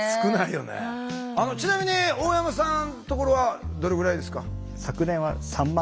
ちなみに大山さんところはどれぐらいですか？